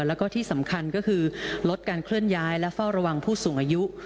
แล้วก็ที่สำคัญก็คือลดการเคลื่อนย้ายและเฝ้าระวังผู้สูงอายุ